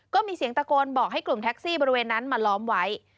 ก็มีเสียงตะโกนบอกให้กลุ่มแท็กซี่บริเวณนั้นมาล้อมไว้